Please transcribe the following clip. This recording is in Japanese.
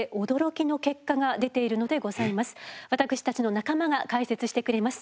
実は私たちの仲間が解説してくれます。